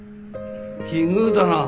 奇遇だなあ。